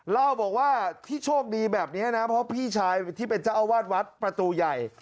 เล่าบอกว่าที่โชคดีแบบนี้นะเพราะพี่ชายที่เป็นเจ้าอาวาสวัดประตูใหญ่